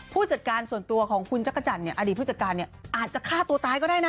ผู้จัดการส่วนตัวของคุณจักรจันทร์อดีตผู้จัดการเนี่ยอาจจะฆ่าตัวตายก็ได้นะ